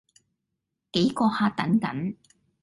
幾個客等緊